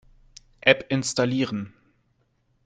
App installieren.